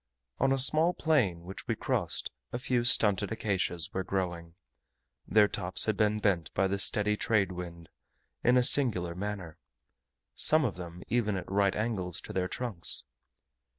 On a small plain which we crossed, a few stunted acacias were growing; their tops had been bent by the steady trade wind, in a singular manner some of them even at right angles to their trunks.